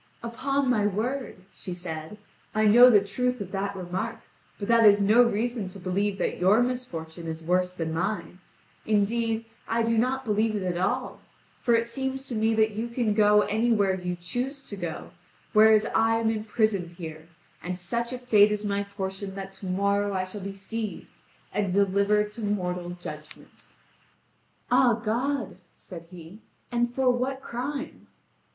"Upon my word," she said, "I know the truth of that remark; but that is no reason to believe that your misfortune is worse than mine. Indeed, I do not believe it at all, for it seems to me that you can go anywhere you choose to go, whereas I am imprisoned here, and such a fate is my portion that to morrow I shall be seized and delivered to mortal judgment." "Ah, God!" said he, "and for what crime?"